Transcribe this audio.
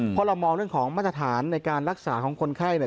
เพราะเรามองเรื่องของมาตรฐานในการรักษาของคนไข้เนี่ย